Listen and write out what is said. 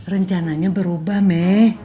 rencananya berubah me